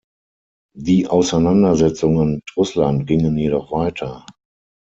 Die Auseinandersetzungen mit Russland gingen jedoch weiter.